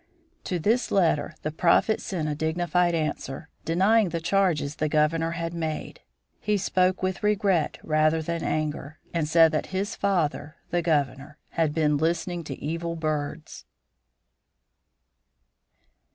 To this letter the Prophet sent a dignified answer, denying the charges the Governor had made. He spoke with regret rather than anger, and said that "his father (the Governor) had been listening to evil birds."